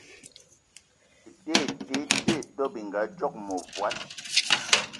Ete ete te, dò bëngadzoge mëvòd